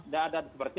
dan ada seperti